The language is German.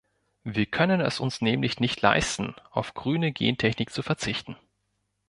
Wir können es uns nämlich nicht leisten, auf grüne Gentechnik zu verzichten.